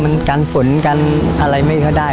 มันกันฝนกันอะไรไม่ค่อยได้